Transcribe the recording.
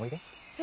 え？